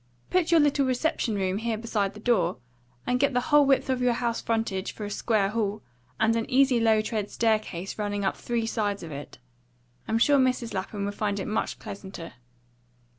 Put your little reception room here beside the door, and get the whole width of your house frontage for a square hall, and an easy low tread staircase running up three sides of it. I'm sure Mrs. Lapham would find it much pleasanter."